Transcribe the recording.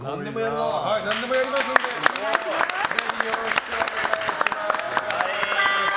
何でもやりますのでぜひよろしくお願いします。